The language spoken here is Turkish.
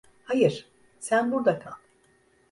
Hayır, sen burada kal.